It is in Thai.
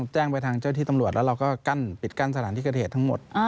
แจ้งไปทางเจ้าที่ตำรวจแล้วเราก็ปิดกั้นสถานที่เกิดเหตุทั้งหมด